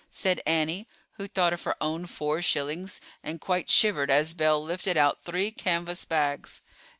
said Annie, who thought of her own four shillings, and quite shivered as Belle lifted out three canvas bags.